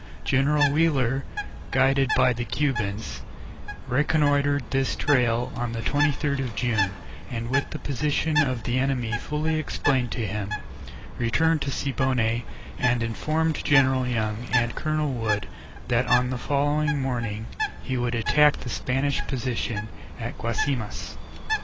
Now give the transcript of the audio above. General Wheeler, guided by the Cubans, reconnoitred this trail on the 23rd of June, and with the position of the enemy fully explained to him, returned to Siboney and informed General Young and Colonel Wood that on the following morning he would attack the Spanish position at Guasimas.